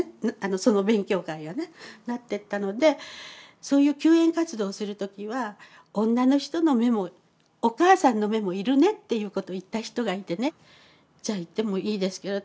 その勉強会がねなってったのでそういう救援活動する時は女の人の目もお母さんの目も要るねっていうことを言った人がいてねじゃあ行ってもいいですけどって。